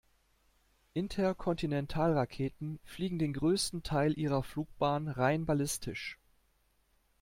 Interkontinentalraketen fliegen den größten Teil ihrer Flugbahn rein ballistisch.